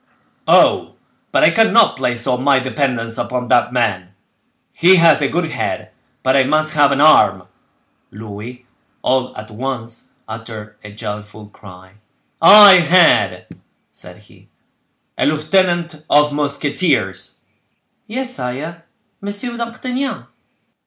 Oh! but I cannot place all my dependence upon that man; he has a good head, but I must have an arm!" Louis, all at once, uttered a joyful cry. "I had," said he, "a lieutenant of musketeers!" "Yes, sire—Monsieur d'Artagnan."